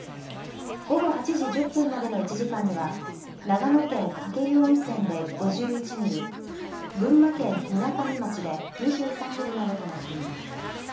午後８時１０分までの１時間には長野県鹿教湯温泉で５１ミリ、群馬県みなかみ町で２３ミリなどとなっています。